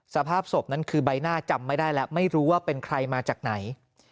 สภาพศพนั้นคือใบหน้าจำไม่ได้แล้วไม่รู้ว่าเป็นใครมาจากไหน